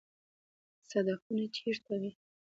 صدفونه چیرته وي؟